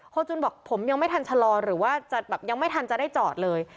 จุนบอกผมยังไม่ทันชะลอหรือว่าจะแบบยังไม่ทันจะได้จอดเลย